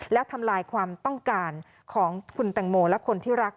และทำลายความต้องการของคุณแตงโมและคนที่รัก